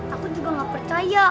aku juga gak percaya